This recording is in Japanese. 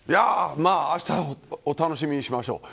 あしたを楽しみにしましょう。